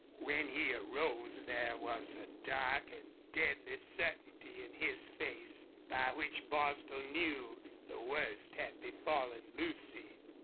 When he arose there was a dark and deadly certainty in his face, by which Bostil knew the worst had befallen Lucy.